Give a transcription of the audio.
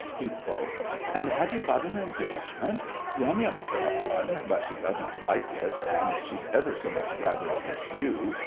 PEEP. And have you got an engagement?—Yum Yum's got one, but she doesn't like it, and she'd ever so much rather it was you!